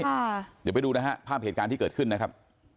เดี๋ยวไปดูนะฮะภาพเหตุการณ์ที่เกิดขึ้นนะครับ